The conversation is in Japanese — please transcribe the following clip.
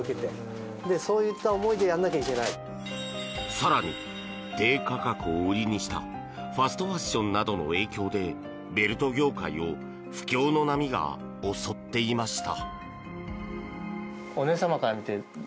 更に低価格を売りにしたファストファッションなどの影響でベルト業界を不況の波が襲っていました。